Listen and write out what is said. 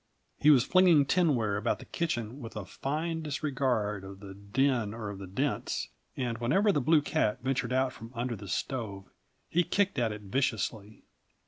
He was flinging tinware about the kitchen with a fine disregard of the din or the dents, and whenever the blue cat ventured out from under the stove, he kicked at it viciously.